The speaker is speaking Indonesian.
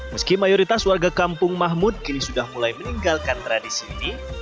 meski mayoritas warga kampung mahmud kini sudah mulai meninggalkan tradisi ini